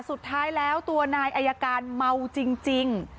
สุดท้ายแล้วตัวนายอายการเมาจริง